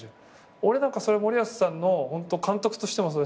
俺それ森保さんの監督としてもそうだし